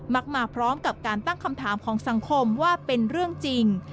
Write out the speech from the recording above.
มาพร้อมกับการตั้งคำถามของสังคมว่าเป็นเรื่องจริง